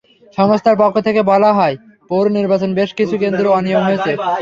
সংস্থার পক্ষ থেকে বলা হয়, পৌর নির্বাচনে বেশ কিছু কেন্দ্রে অনিয়ম হয়েছে।